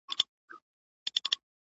ما شپه ده راوستلې سپینوې یې او کنه